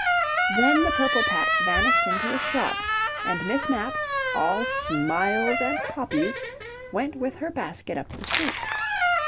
Then the purple patch vanished into a shop, and Miss Mapp, all smiles and poppies, went with her basket up the street.